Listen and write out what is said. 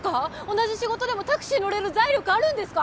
同じ仕事でもタクシー乗れる財力あるんですか？